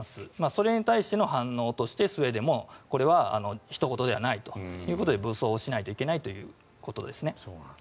それに対しての反応としてスウェーデンもこれはひと事ではないということで武装しないといけないということですね。